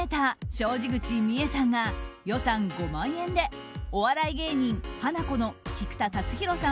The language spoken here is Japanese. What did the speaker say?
小路口美江さんが予算５万円でお笑い芸人ハナコの菊田竜大さん